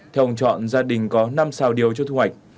theo ông chọn gia đình có năm xào điều cho thu hoạch